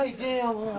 もう。